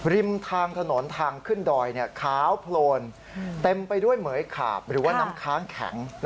ริมทางถนนทางขึ้นดอยขาวโพลนเต็มไปด้วยเหมือยขาบหรือว่าน้ำค้างแข็ง